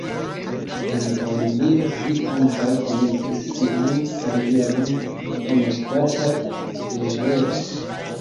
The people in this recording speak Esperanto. En Bohemio li ankaŭ komencis sian karieron en ŝtata deĵoro.